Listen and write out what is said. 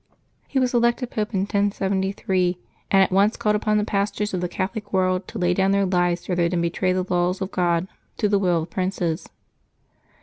He was elected Pope in 1073, and at once called upon the pastors of the Catholic world to lay down their lives rather than betray the laws of God to the will of princes.